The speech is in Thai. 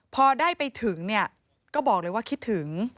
พอได้ไปถึงเนี่ยก็บอกเลยว่าคิดถึง